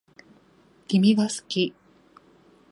君が好き